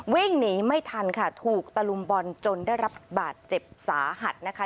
วิ่งหนีไม่ทันค่ะถูกตะลุมบอลจนได้รับบาดเจ็บสาหัสนะคะ